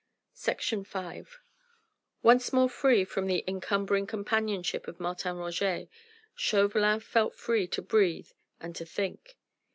V Once more free from the encumbering companionship of Martin Roget, Chauvelin felt free to breathe and to think.